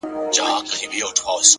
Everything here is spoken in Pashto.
ساده توب ذهن له بارونو خلاصوي.!